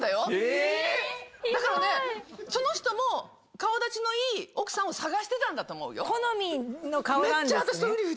ひどいだからねその人も顔立ちのいい奥さんを探してたんだと思うよ好みの顔なんですね